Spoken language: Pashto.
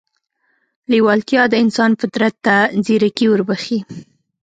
لېوالتیا د انسان فطرت ته ځيرکي وربښي.